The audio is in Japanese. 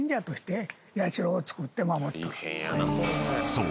［そう。